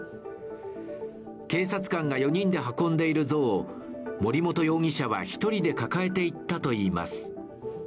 警察官が４人で運んでいる像を森本容疑者は１人で抱えていったといいます。